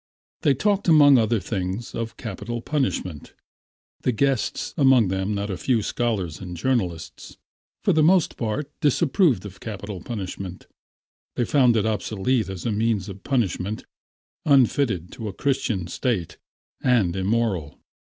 They talked among other things of capital punishment. The guests, among them not a few scholars and journalists, for the most part disapproved of capital punishment. They found it obsolete as a means of punishment, unfitted to a Christian State and immoral.